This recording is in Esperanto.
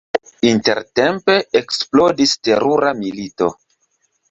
Intertempe eksplodis terura milito.